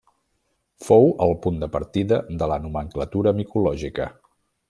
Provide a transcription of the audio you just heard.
Fou el punt de partida de la nomenclatura micològica.